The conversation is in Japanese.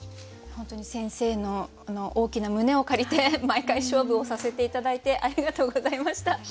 本当に先生の大きな胸を借りて毎回勝負をさせて頂いてありがとうございました。